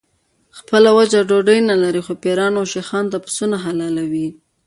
خپله وچه ډوډۍ نه لري خو پیرانو او شیخانو ته پسونه حلالوي.